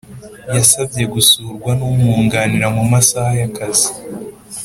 Yasabye gusurwa n’umwunganira mu masaha y’akazi